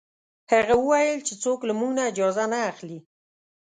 هغه وویل چې څوک له موږ نه اجازه نه اخلي.